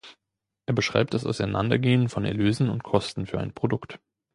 Er beschreibt das Auseinandergehen von Erlösen und Kosten für ein Produkt.